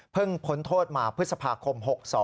เพิ่งผลโทษมาพฤษภาคม๖๒